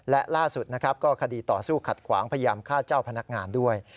และล่าสุดนะครับก็คดีต่อสู้ขัดขวางพยายามฆ่าเจ้าพนักงานด้วย